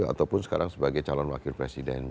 ataupun sekarang sebagai calon wakil presiden